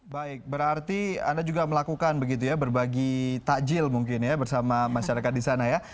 baik berarti anda juga melakukan begitu ya berbagi takjil mungkin ya bersama masyarakat di sana ya